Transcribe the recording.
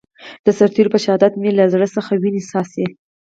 د سرتېرو په شهادت مې له زړه څخه وينې څاڅي.